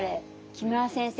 木村先生